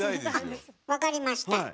分かりました。